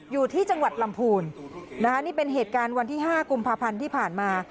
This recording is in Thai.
อยู่ที่จังหวัดลำพูนนะคะนี่เป็นเหตุการณ์วันที่๕กุมภาพันธ์ที่ผ่านมา